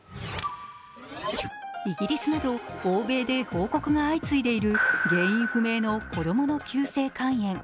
イギリスなど欧米で報告が相次いでいる原因不明の子供の急性肝炎。